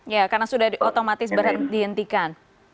ya karena sudah otomatis berhenti dihentikan